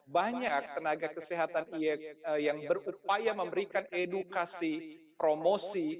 banyak tenaga kesehatan yang berupaya memberikan edukasi promosi